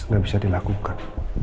gak bisa dilakukan